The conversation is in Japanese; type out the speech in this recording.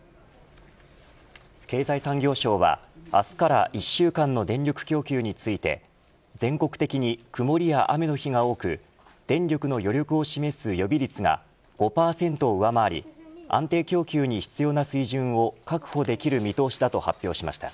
経済産業省は明日から１週間の電力供給について全国的に曇りや雨の日が多く電力の余力を示す予備率が５％を上回り安定供給に必要な水準を確保できる見通しだと発表しました。